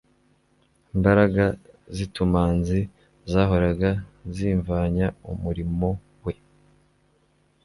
Imbaraga z'tuimanzi zahoraga zimvanya umurimo we,